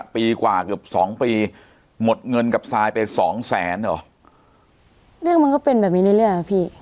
ปีกว่าเกือบสองปีหมดเงินกับซายไปสองแสนหรอเรื่องมันก็เป็นแบบนี้เรื่อยเรื่อยอ่ะพี่